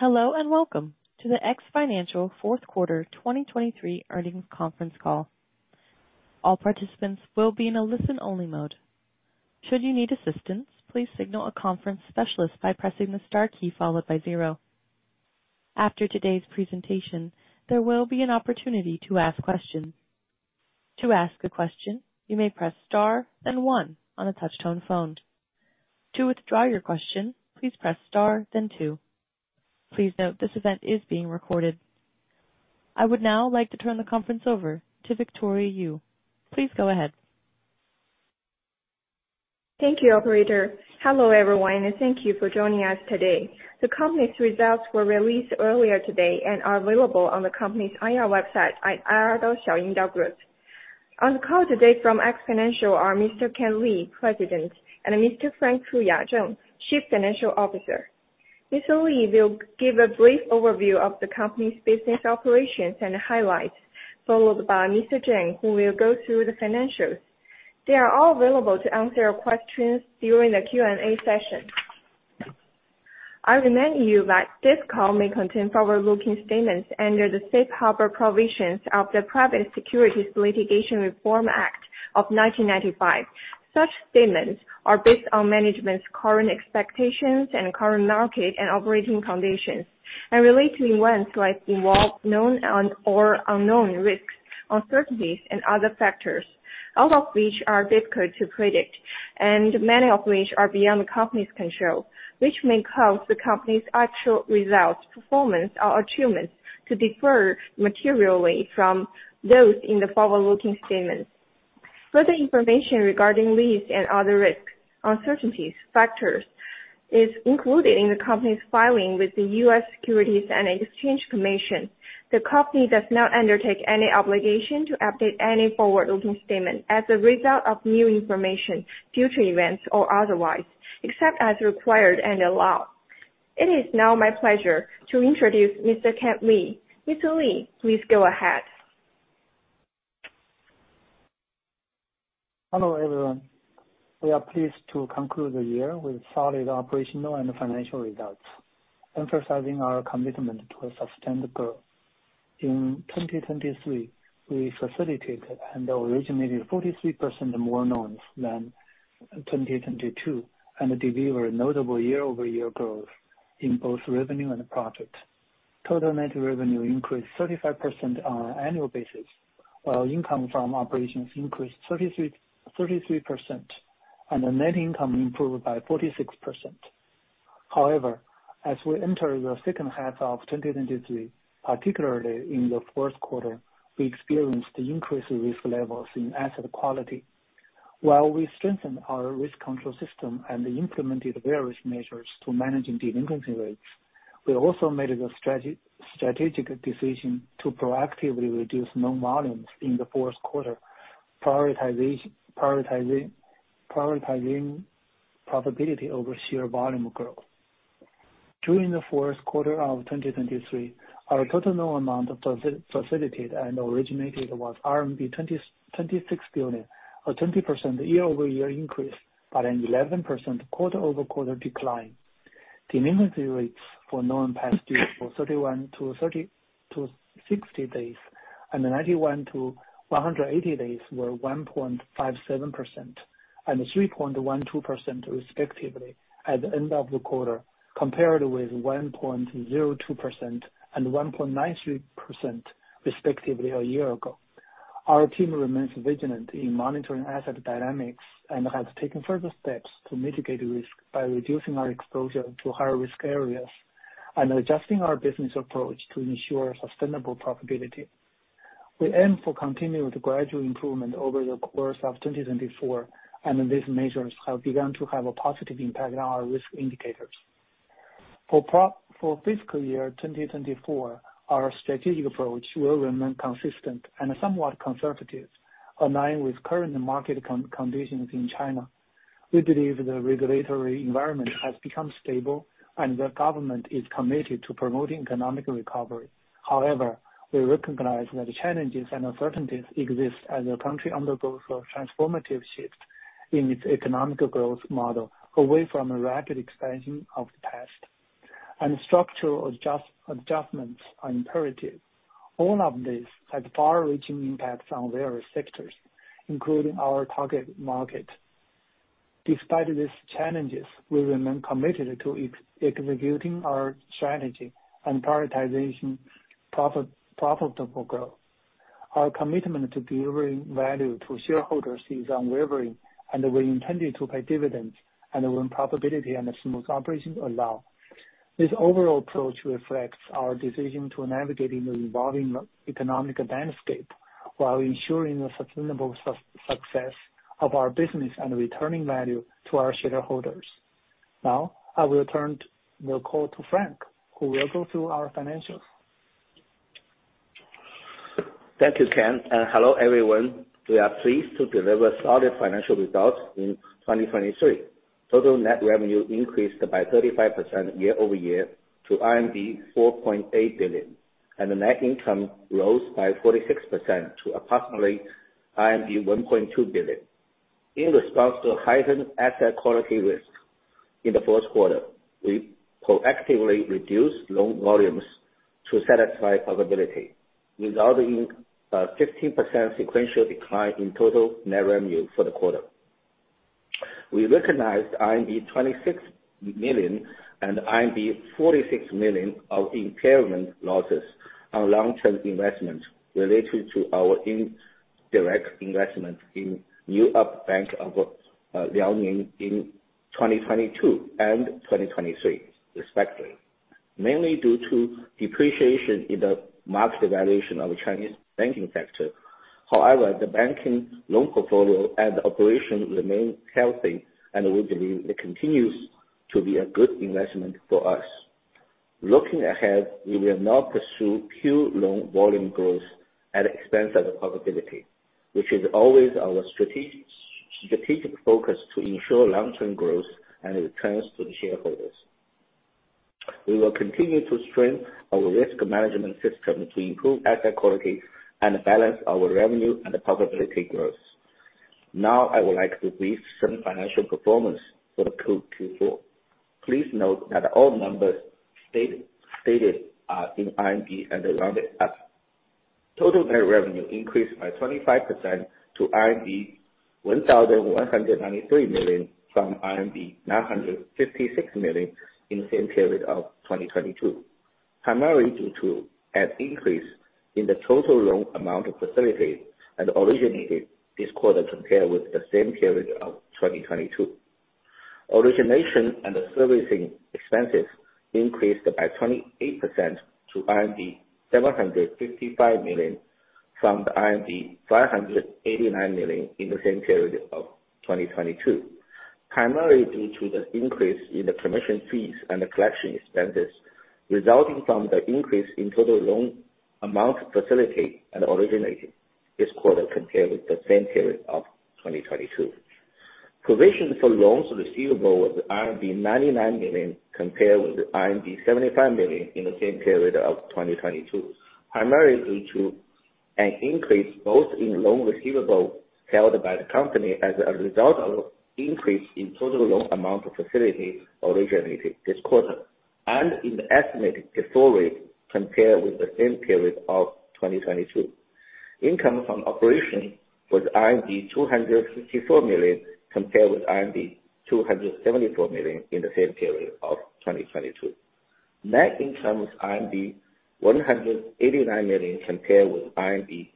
Hello, and welcome to the X Financial fourth quarter 2023 earnings conference call. All participants will be in a listen-only mode. Should you need assistance, please signal a conference specialist by pressing the star key followed by zero. After today's presentation, there will be an opportunity to ask questions. To ask a question, you may press star, then one on a touchtone phone. To withdraw your question, please press star then two. Please note, this event is being recorded. I would now like to turn the conference over to Victoria Yu. Please go ahead. Thank you, operator. Hello, everyone, and thank you for joining us today. The company's results were released earlier today and are available on the company's IR website at ir dot xiaoying dot group. On the call today from X Financial are Mr. Kan Li, President, and Mr. Frank Fuya Zheng, Chief Financial Officer. Mr. Li will give a brief overview of the company's business operations and highlights, followed by Mr. Zheng, who will go through the financials. They are all available to answer your questions during the Q&A session. I remind you that this call may contain forward-looking statements under the Safe Harbor provisions of the Private Securities Litigation Reform Act of 1995. Such statements are based on management's current expectations and current market and operating conditions, and relate to events like involved, known and/or unknown risks, uncertainties, and other factors, all of which are difficult to predict, and many of which are beyond the company's control, which may cause the company's actual results, performance, or achievements to differ materially from those in the forward-looking statements. Further information regarding risks and other risks, uncertainties, factors is included in the company's filing with the US Securities and Exchange Commission. The company does not undertake any obligation to update any forward-looking statement as a result of new information, future events, or otherwise, except as required and allowed. It is now my pleasure to introduce Mr. Kan Li. Mr. Li, please go ahead. Hello, everyone. We are pleased to conclude the year with solid operational and financial results, emphasizing our commitment to a sustainable growth. In 2023, we facilitated and originated 43% more loans than 2022, and delivered a notable year-over-year growth in both revenue and profit. Total net revenue increased 35% on an annual basis, while income from operations increased 33%, and the net income improved by 46%. However, as we enter the second half of 2023, particularly in the fourth quarter, we experienced increased risk levels in asset quality. While we strengthened our risk control system and implemented various measures to manage delinquency rates, we also made a strategic decision to proactively reduce loan volumes in the fourth quarter, prioritizing profitability over sheer volume growth. During the fourth quarter of 2023, our total loan amount of facilitated and originated was 26 billion, a 20% year-over-year increase, but an 11% quarter-over-quarter decline. Delinquency rates for non-interest due for 31-60 days, and 91-180 days were 1.57% and 3.12%, respectively, at the end of the quarter, compared with 1.02% and 1.93%, respectively, a year ago. Our team remains vigilant in monitoring asset dynamics and has taken further steps to mitigate risk by reducing our exposure to higher risk areas and adjusting our business approach to ensure sustainable profitability. We aim for continued gradual improvement over the course of 2024, and these measures have begun to have a positive impact on our risk indicators. For pro... For fiscal year 2024, our strategic approach will remain consistent and somewhat conservative, aligned with current market conditions in China. We believe the regulatory environment has become stable and the government is committed to promoting economic recovery. However, we recognize that challenges and uncertainties exist as the country undergoes a transformative shift in its economic growth model away from a rapid expansion of the past, and structural adjustments are imperative. All of this has far-reaching impacts on various sectors, including our target market. Despite these challenges, we remain committed to executing our strategy and prioritization profitable growth. Our commitment to delivering value to shareholders is unwavering, and we intended to pay dividends and when profitability and smooth operations allow. This overall approach reflects our decision to navigate in the evolving economic landscape while ensuring the sustainable success of our business and returning value to our shareholders. Now, I will turn the call to Frank, who will go through our financials. Thank you, Kan, and hello, everyone. We are pleased to deliver solid financial results in 2023. Total net revenue increased by 35% year over year to RMB 4.8 billion, and the net income rose by 46% to approximately RMB 1.2 billion.... In response to heightened asset quality risk in the first quarter, we proactively reduced loan volumes to satisfy profitability, resulting in a 15% sequential decline in total net revenue for the quarter. We recognized 26 million and 46 million of impairment losses on long-term investments related to our indirect investment in New Up Bank of Liaoning in 2022 and 2023 respectively, mainly due to depreciation in the market valuation of the Chinese banking sector. However, the banking loan portfolio and operation remain healthy, and we believe it continues to be a good investment for us. Looking ahead, we will not pursue pure loan volume growth at the expense of the profitability, which is always our strategic focus to ensure long-term growth and returns to the shareholders. We will continue to strengthen our risk management system to improve asset quality and balance our revenue and profitability growth. Now, I would like to brief some financial performance for Q4. Please note that all numbers stated are in CNY and are rounded up. Total net revenue increased by 25% to RMB 1,193 million, from RMB 956 million in the same period of 2022, primarily due to an increase in the total loan amount of facilitated and originated this quarter compared with the same period of 2022. Origination and servicing expenses increased by 28% to 755 million, from 589 million in the same period of 2022, primarily due to the increase in the commission fees and the collection expenses, resulting from the increase in total loan facilitation originated this quarter compared with the same period of 2022. Provision for loans receivable was RMB 99 million, compared with RMB 75 million in the same period of 2022, primarily due to an increase both in loan receivable held by the company as a result of increase in total loan facilitation originated this quarter, and in the estimated default rate compared with the same period of 2022. Income from operation was RMB 254 million, compared with RMB 274 million in the same period of 2022. Net income was RMB 189 million, compared with RMB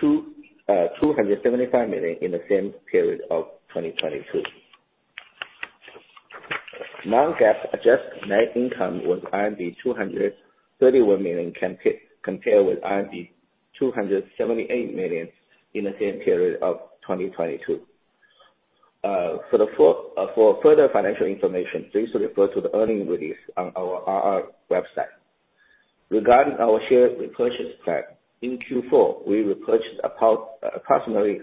275 million in the same period of 2022. Non-GAAP adjusted net income was RMB 231 million, compared with RMB 278 million in the same period of 2022. For further financial information, please refer to the earnings release on our IR website. Regarding our share repurchase plan, in Q4, we repurchased approximately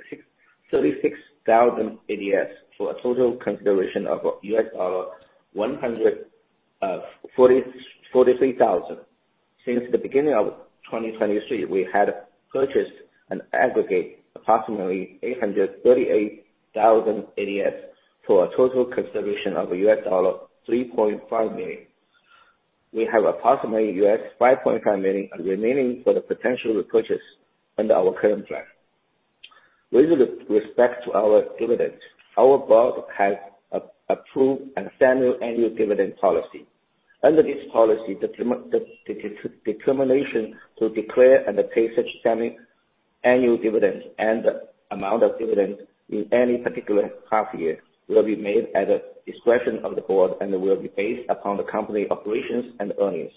36,000 ADS, for a total consideration of $143,000. Since the beginning of 2023, we had purchased an aggregate approximately 838,000 ADS, for a total consideration of $3.5 million. We have approximately $5.5 million remaining for the potential repurchase under our current plan. With respect to our dividends, our board has approved a semi-annual dividend policy. Under this policy, the determination to declare and pay such semi-annual dividends and the amount of dividends in any particular half year will be made at the discretion of the board and will be based upon the company operations and earnings,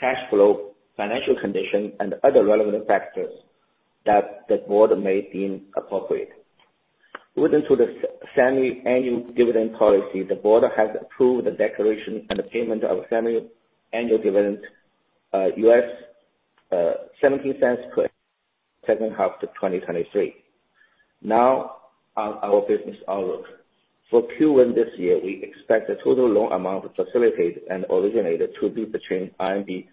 cash flow, financial condition, and other relevant factors that the board may deem appropriate. Within the semi-annual dividend policy, the board has approved the declaration and the payment of semi-annual dividend $0.17 per second half of 2023. Now, on our business outlook. For Q1 this year, we expect the total loan amount facilitated and originated to be between RMB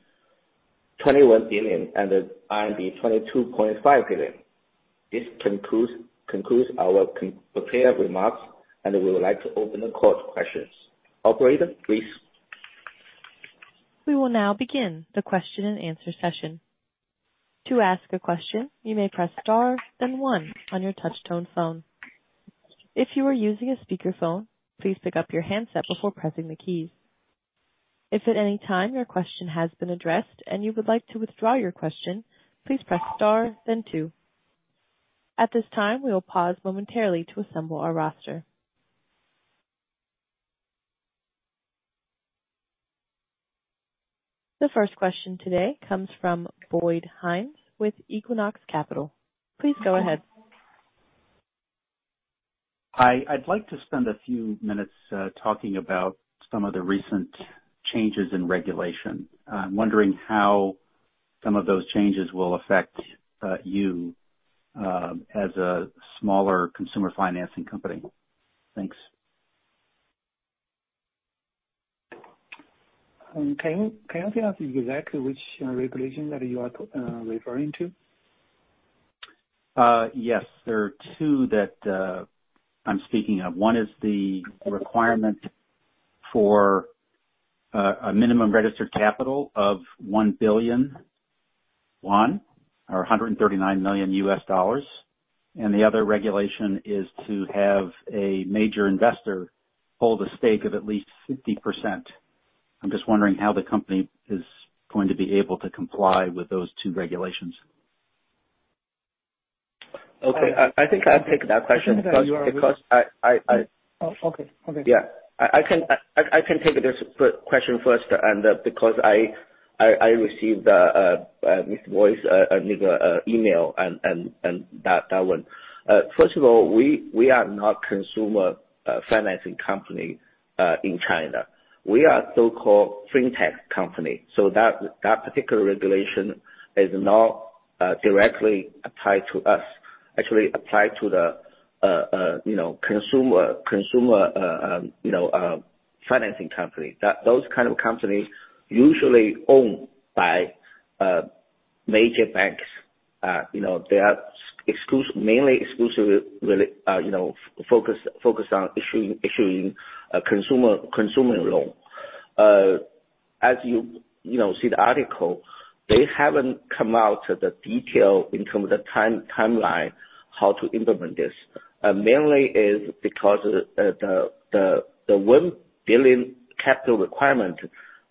21 billion and RMB 22.5 billion. This concludes our prepared remarks, and we would like to open the call to questions. Operator, please? We will now begin the question and answer session. To ask a question, you may press star then one on your touch tone phone. If you are using a speakerphone, please pick up your handset before pressing the keys. If at any time your question has been addressed and you would like to withdraw your question, please press star then two. At this time, we will pause momentarily to assemble our roster. The first question today comes from Boyd Hines with Equinox Capital. Please go ahead. Hi. I'd like to spend a few minutes, talking about some of the recent changes in regulation. I'm wondering how some of those changes will affect, you, as a smaller consumer financing company. Thanks.... Can you tell us exactly which regulation that you are referring to? Yes, there are two that I'm speaking of. One is the requirement for a minimum registered capital of CNY 1 billion, or $139 million, and the other regulation is to have a major investor hold a stake of at least 50%. I'm just wondering how the company is going to be able to comply with those two regulations. Okay, I think I can take that question, because I... Oh, okay. Okay. Yeah. I can take this question first, because I received the Mr. Boyd Hines email and that one. First of all, we are not consumer financing company in China. We are so-called fintech company, so that particular regulation is not directly applied to us, actually applied to the, you know, consumer financing company. Those kind of companies usually owned by major banks. You know, they are exclusively mainly focused on issuing a consumer loan. As you know, see the article, they haven't come out with the detail in terms of the timeline, how to implement this. Mainly is because the one billion capital requirement,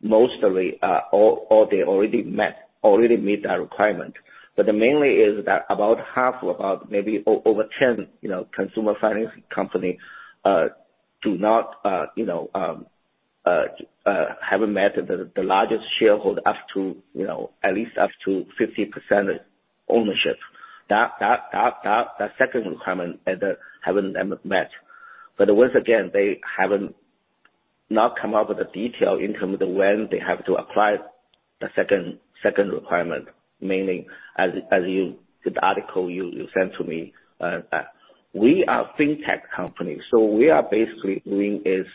mostly, or they already met, already meet that requirement. But mainly is that about half, or about maybe over 10, you know, consumer financing company, do not, you know, haven't met the largest shareholder up to, you know, at least up to 50% ownership. That second requirement is, haven't been met. But once again, they haven't... not come up with a detail in terms of when they have to apply the second requirement, mainly as the article you sent to me. We are fintech company, so we are basically doing is,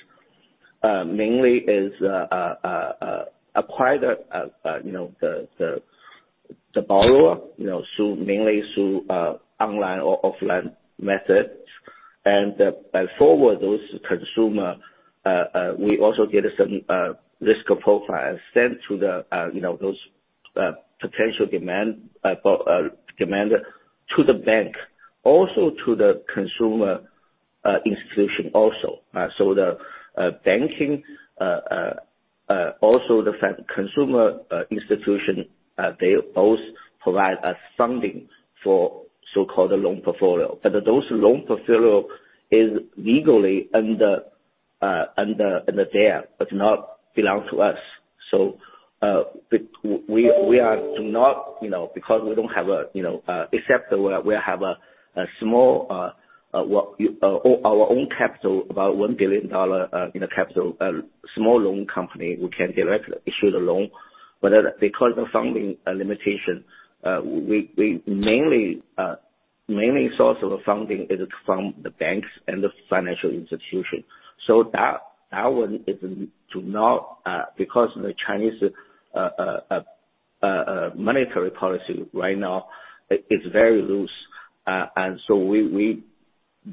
mainly is, acquire the, you know, the borrower, you know, through, mainly through, online or offline method. By forwarding those consumer, we also get some risk profile sent to the, you know, those potential demand, demand to the bank, also to the consumer institution also. So the banking also the financial consumer institution they both provide us funding for so-called loan portfolio. But those loan portfolio is legally under them, but not belong to us. So we do not, you know, because we don't have a, you know, except we have a small our own capital, about $1 billion in a capital small loan company, we can directly issue the loan. But because of funding limitation, we mainly source of funding is from the banks and the financial institution. So that one is do not because the Chinese monetary policy right now is very loose, and so we.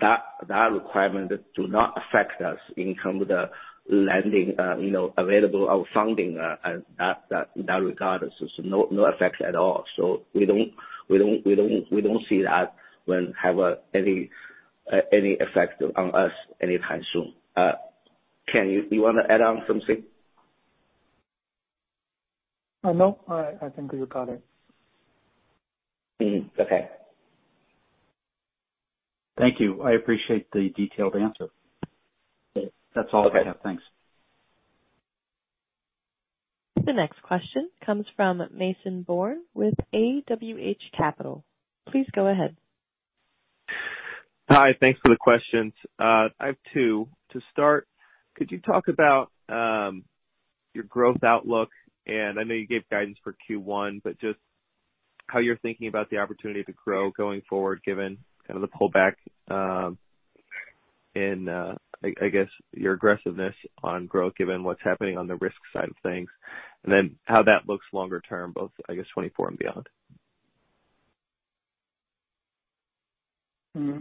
That requirement do not affect us in terms of the lending, you know, available our funding, at that regardless, is no effect at all. So we don't see that will have any effect on us anytime soon. Kan, you wanna add on something? No, I think you got it. Mm-hmm. Okay. Thank you. I appreciate the detailed answer. Okay. That's all I have. Thanks. The next question comes from Mason Bourne with AWH Capital. Please go ahead. Hi, thanks for the questions. I have two. To start, could you talk about your growth outlook, and I know you gave guidance for Q1, but just how you're thinking about the opportunity to grow going forward, given kind of the pullback in, I guess, your aggressiveness on growth, given what's happening on the risk side of things? And then how that looks longer term, both, I guess, 2024 and beyond.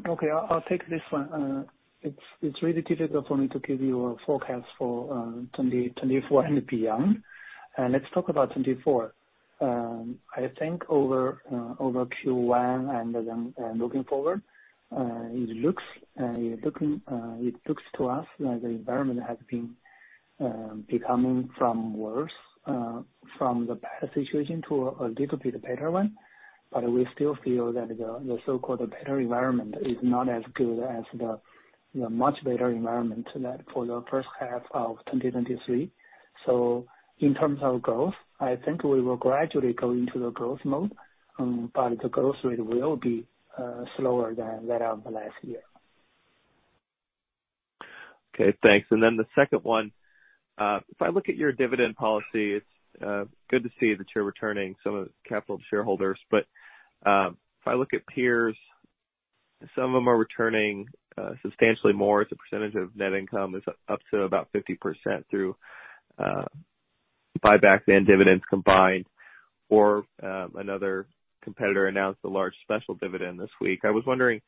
Okay. I'll take this one. It's really difficult for me to give you a forecast for 2024 and beyond. Let's talk about 2024. I think over Q1 and then looking forward, it looks to us like the environment has been becoming from worse from the past situation to a little bit better one, but we still feel that the so-called better environment is not as good as the much better environment that for the first half of 2023. So in terms of growth, I think we will gradually go into the growth mode, but the growth rate will be slower than that of the last year. Okay, thanks. And then the second one, if I look at your dividend policy, it's good to see that you're returning some of the capital to shareholders, but if I look at peers. Some of them are returning substantially more as a percentage of net income is up to about 50% through buybacks and dividends combined, or another competitor announced a large special dividend this week. I was wondering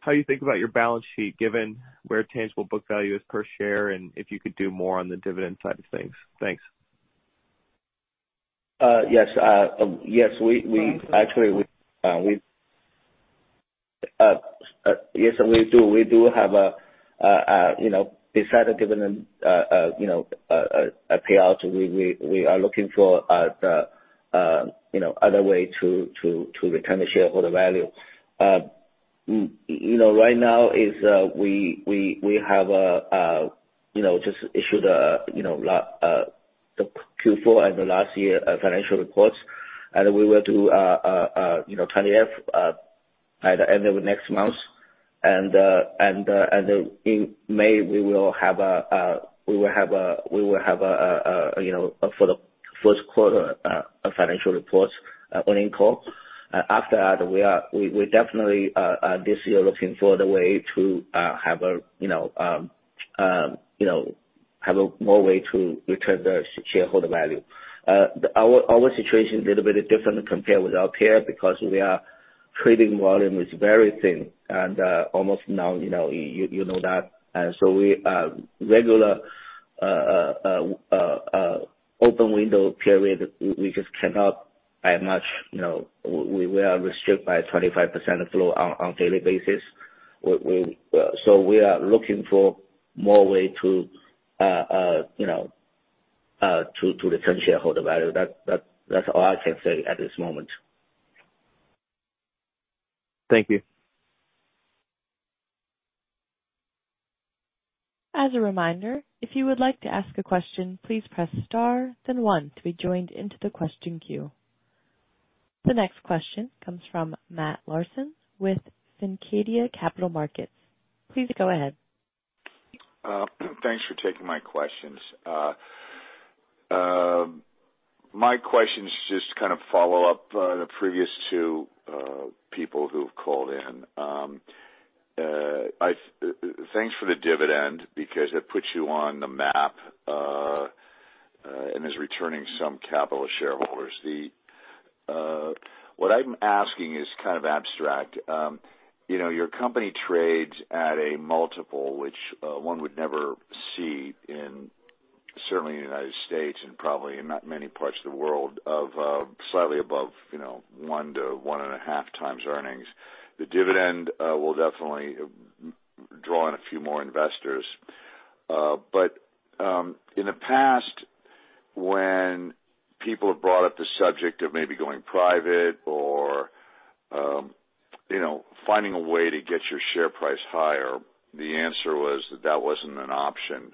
how you think about your balance sheet, given where tangible book value is per share, and if you could do more on the dividend side of things? Thanks. Yes, yes, we actually, yes, we do. We do have a, you know, besides a dividend, you know, a payout, we are looking for, you know, other way to return the shareholder value. You know, right now, we have just issued the Q4 and the last year financial reports, and we will do, you know, 20-F at the end of next month. And, in May, we will have a, you know, for the first quarter financial reports, earnings call. After that, we are... We, we definitely this year looking for the way to have a you know you know have a more way to return the shareholder value. Our, our situation is a little bit different compared with our peer, because we are trading volume is very thin and almost now you know you you know that. And so we regular open window period, we just cannot buy much, you know, we, we are restricted by 25% of flow on on daily basis. We, we so we are looking for more way to you know to to return shareholder value. That, that, that's all I can say at this moment. Thank you. As a reminder, if you would like to ask a question, please press star, then one to be joined into the question queue. The next question comes from Matt Larson with Fincadia Capital. Please go ahead. Thanks for taking my questions. My question is just to kind of follow up the previous 2 people who've called in. Thanks for the dividend, because it puts you on the map and is returning some capital to shareholders. What I'm asking is kind of abstract. You know, your company trades at a multiple, which one would never see in certainly in the United States, and probably in not many parts of the world, of slightly above, you know, 1-1.5x earnings. The dividend will definitely draw in a few more investors. But, in the past, when people have brought up the subject of maybe going private or, you know, finding a way to get your share price higher, the answer was that that wasn't an option.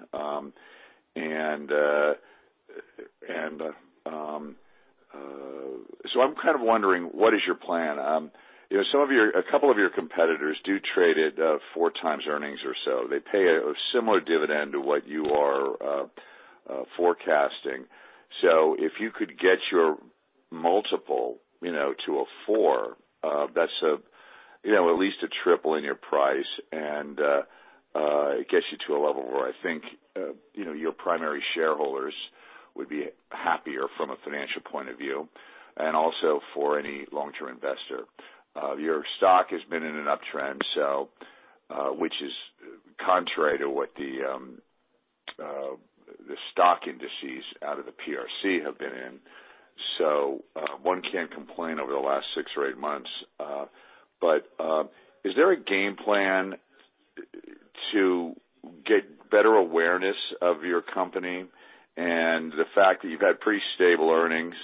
So I'm kind of wondering, what is your plan? You know, a couple of your competitors do trade at 4 times earnings or so. They pay a similar dividend to what you are forecasting. So if you could get your multiple, you know, to a 4, that's, you know, at least a triple in your price, and it gets you to a level where I think, you know, your primary shareholders would be happier from a financial point of view, and also for any long-term investor. Your stock has been in an uptrend, so, which is contrary to what the stock indices out of the PRC have been in. So, one can't complain over the last six or eight months. But, is there a game plan to get better awareness of your company and the fact that you've had pretty stable earnings,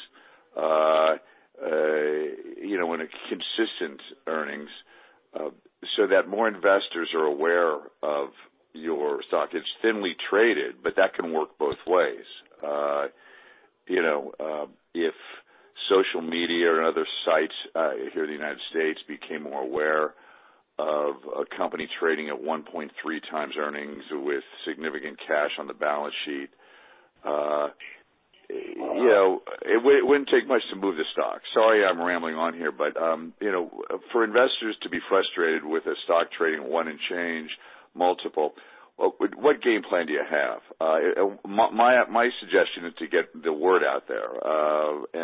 you know, and a consistent earnings, so that more investors are aware of your stock? It's thinly traded, but that can work both ways. You know, if social media and other sites here in the United States became more aware of a company trading at 1.3x earnings with significant cash on the balance sheet, you know, it wouldn't, wouldn't take much to move the stock. Sorry, I'm rambling on here, but, you know, for investors to be frustrated with a stock trading one and change multiple, what, what game plan do you have? My suggestion is to get the word out there,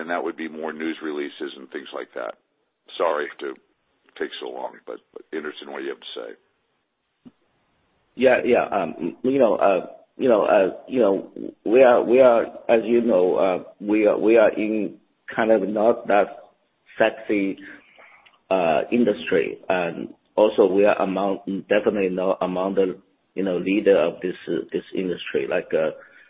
and that would be more news releases and things like that. Sorry to take so long, but interested in what you have to say. Yeah, yeah. You know, you know, you know, we are, we are, as you know, we are, we are in kind of not that sexy industry. And also, we are among, definitely not among the, you know, leader of this, this industry. Like,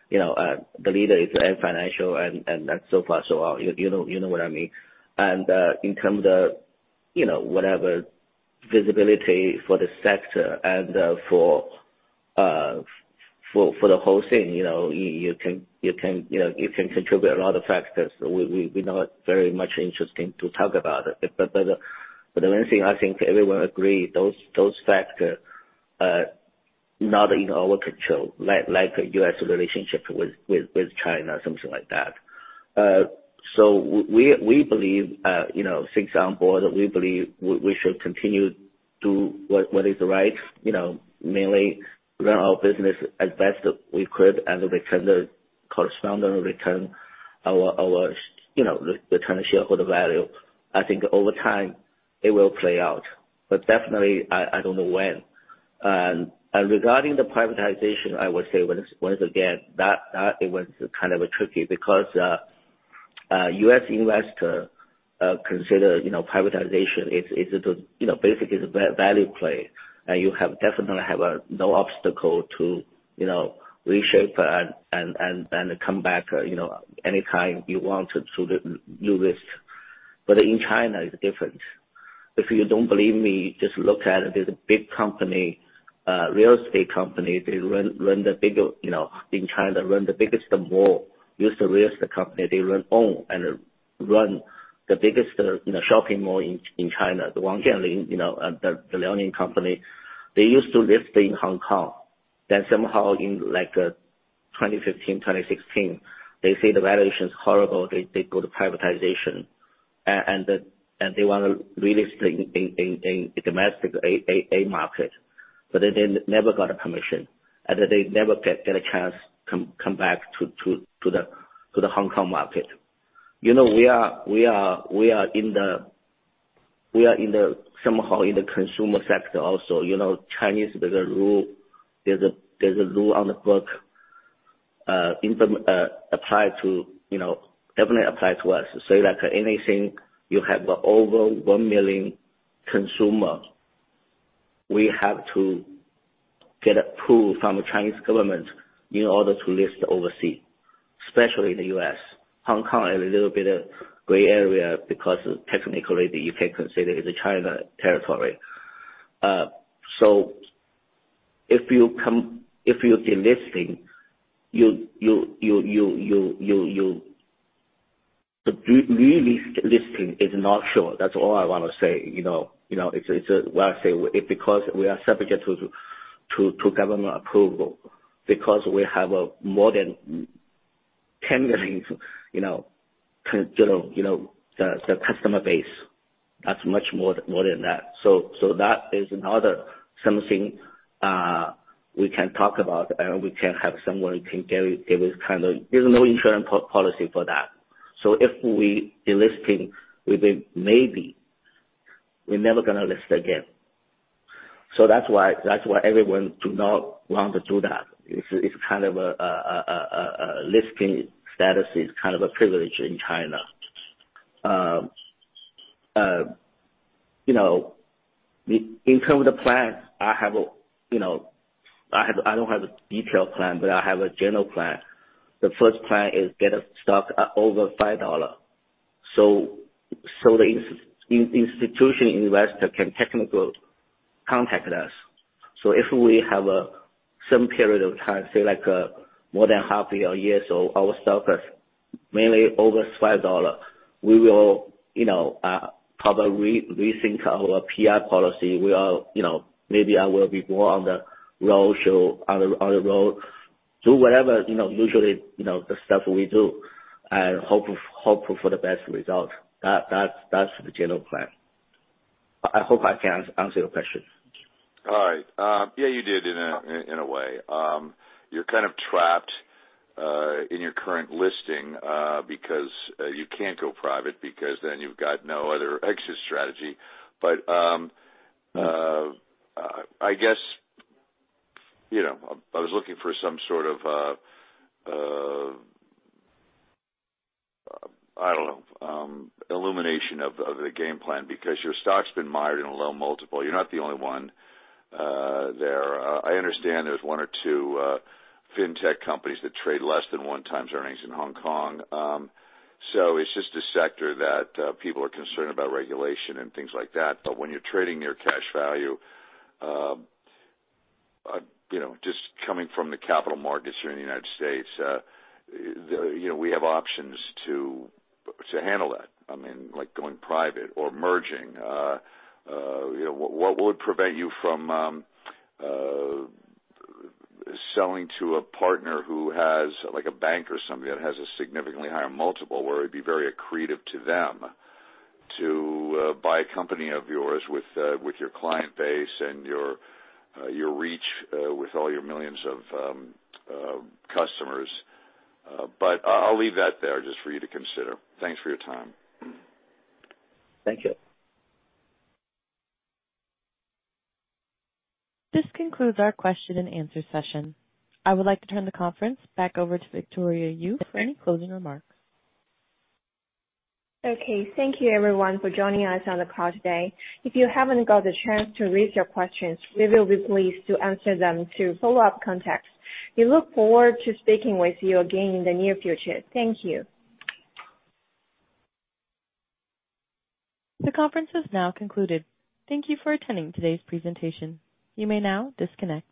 you know, the leader is Ant Group, and, and that's so far, so well, you know, you know what I mean. And, in terms of, you know, whatever visibility for the sector and, for, for, for the whole thing, you know, you, you can, you can, you know, you can contribute a lot of factors. We, we, we not very much interesting to talk about it, but, but, but the main thing, I think everyone agree, those, those factor not in our control, like, like a U.S. relationship with, with, with China or something like that. So we believe, you know, SEC on board, we believe we should continue to do what is right, you know, mainly run our business as best we could and return the corresponding, you know, return shareholder value. I think over time it will play out, but definitely I don't know when. And regarding the privatization, I would say once again that it was kind of tricky because U.S. investors consider, you know, privatization is basically a value play, and you definitely have no obstacle to, you know, reshape and come back, you know, any time you want to to the market. But in China, it's different. If you don't believe me, just look at this big company, real estate company. They run the bigger, you know, in China, run the biggest mall, used to real estate company. They run, own, and run the biggest, you know, shopping mall in, in China, the one, you know, the Dalian Wanda Group. They used to list in Hong Kong, then somehow in like, 2015, 2016, they say the valuation is horrible. They go to privatization, and they want to relisting in, in, in the domestic A-share market, but they never got a permission, and they never get a chance come back to the Hong Kong market. You know, we are in the consumer sector also, you know. Chinese, there's a rule on the book, apply to, you know, definitely apply to us. So like anything, you have over 1 million consumer, we have to get approved from the Chinese government in order to list overseas, especially in the U.S. Hong Kong is a little bit of gray area because technically you can consider it a China territory. So if you delisting, you'll the relisting is not sure. That's all I want to say, you know, it's a well, I say it because we are subject to government approval, because we have more than 10 million, you know, the customer base. That's much more than that. So that is another something we can talk about, and we can have someone can give us kind of... There's no insurance policy for that. So if we delisting, we may, maybe we're never gonna list again. So that's why everyone do not want to do that. It's kind of a listing status is kind of a privilege in China. You know, in terms of the plans, I have a, you know, I have, I don't have a detailed plan, but I have a general plan. The first plan is get a stock at over $5, so the institutional investor can technically contact us. So if we have some period of time, say, like, more than half a year or year, so our stock is mainly over $5, we will, you know, probably rethink our PR policy. We are, you know, maybe I will be more on the road show, on the road, do whatever, you know, usually, you know, the stuff we do, and hope for the best result. That's the general plan. I hope I can answer your question. All right. Yeah, you did in a way. You're kind of trapped in your current listing because you can't go private, because then you've got no other exit strategy. But I guess, you know, I was looking for some sort of I don't know, illumination of the game plan, because your stock's been mired in a low multiple. You're not the only one there. I understand there's one or two fintech companies that trade less than one times earnings in Hong Kong. So it's just a sector that, people are concerned about regulation and things like that, but when you're trading your cash value, you know, just coming from the capital markets here in the United States, the, you know, we have options to, to handle that, I mean, like going private or merging. You know, what, what would prevent you from, selling to a partner who has, like a bank or somebody that has a significantly higher multiple, where it'd be very accretive to them to, buy a company of yours with, with your client base and your, your reach, with all your millions of, customers? But I'll, I'll leave that there just for you to consider. Thanks for your time. Thank you. This concludes our question and answer session. I would like to turn the conference back over to Victoria Yu for any closing remarks. Okay, thank you everyone for joining us on the call today. If you haven't got the chance to raise your questions, we will be pleased to answer them to follow-up contacts. We look forward to speaking with you again in the near future. Thank you. The conference is now concluded. Thank you for attending today's presentation. You may now disconnect.